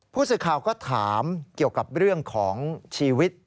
ผู้สื่อข่าวก็ถามเกี่ยวกับเรื่องของชีวิต